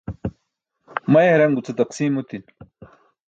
may haraṅ guce taqsiim otin